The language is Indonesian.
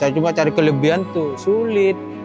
cuma cari kelebihan tuh sulit